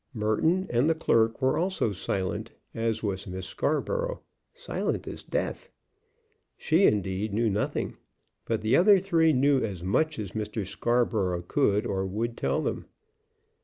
Merton and the clerk were also silent, as was Miss Scarborough, silent as death. She, indeed, knew nothing, but the other three knew as much as Mr. Scarborough could or would tell them.